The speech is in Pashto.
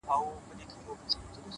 • د ژوندون ساز كي ائينه جوړه كړي،